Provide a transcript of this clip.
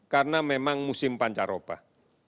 karena memang musim pancar obah